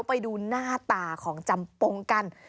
ไปดูหน้าตาของจำปงกัน